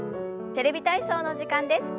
「テレビ体操」の時間です。